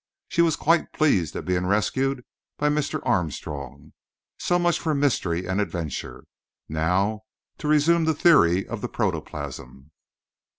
She was quite pleased at being rescued by Mr. Armstrong. So much for mystery and adventure. Now to resume the theory of the protoplasm.